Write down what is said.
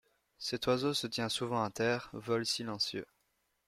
Cet oiseau se tient souvent à terre, vol silencieux.